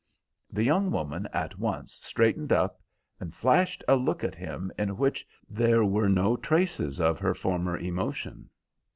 The young woman at once straightened up and flashed a look at him in which there were no traces of her former emotion.